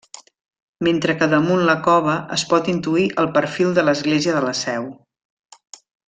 Mentre que damunt la cova, es pot intuir el perfil de l'església de la Seu.